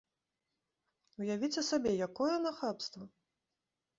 Уявіце сабе, якое нахабства!